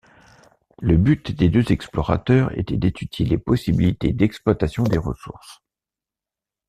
Le but des deux explorateurs était d'étudier les possibilités d'exploitation des ressources.